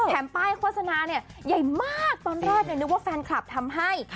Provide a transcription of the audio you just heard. ป้ายโฆษณาเนี่ยใหญ่มากตอนแรกนึกว่าแฟนคลับทำให้